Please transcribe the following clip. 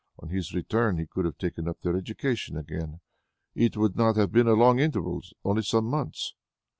On his return, he could have taken up their education again. It would not have been a long interval, only some months."